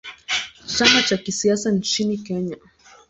Chama cha kisiasa nchini Kenya.